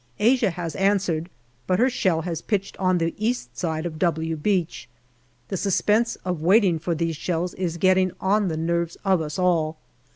Asia has answered, but the shell has pitched on the east side of " W " Beach. The suspense of waiting for these shells is getting on the nerves of us all.